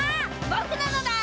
ぼくなのだ！